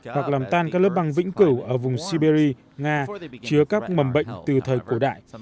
hoặc làm tan các lớp băng vĩnh cửu ở vùng siberia nga chứa các mầm bệnh từ thời cổ đại